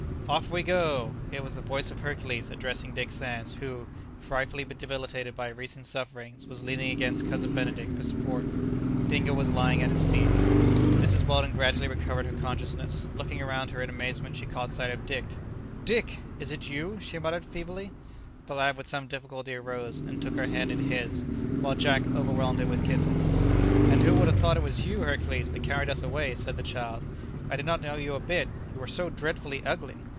"Off we go!" It was the voice of Hercules addressing Dick Sands, who, frightfully debilitated by recent sufferings, was leaning against Cousin Benedict for support. Dingo was lying at his feet. Mrs. Weldon gradually recovered her consciousness. Looking around her in amazement she caught sight of Dick. "Dick, is it you?" she muttered feebly. The lad with some difficulty arose, and took her hand in his, while Jack overwhelmed him with kisses. "And who would have thought it was you, Hercules, that carried us away?" said the child; "I did not know you a bit; you were so dreadfully ugly."